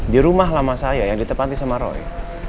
di rumah lama saya yang ditepati sama roy